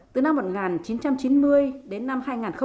từ năm một nghìn chín trăm chín mươi đến năm hai nghìn